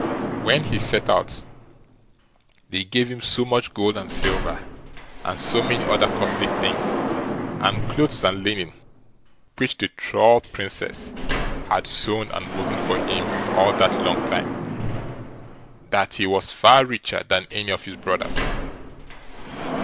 When he set out they gave him so much gold and silver, and so many other costly things, and clothes and linen which the Troll Princess had sewn and woven for him all that long time, that he was far richer than any of his brothers.